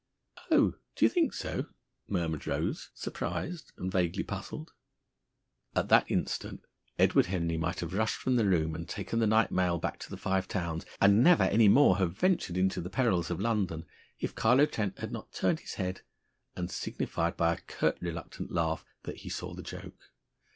"Oh! D'you think so?" murmured Rose, surprised and vaguely puzzled. At that instant Edward Henry might have rushed from the room and taken the night mail back to the Five Towns, and never any more have ventured into the perils of London, if Carlo Trent had not turned his head and signified by a curt reluctant laugh that he saw the joke.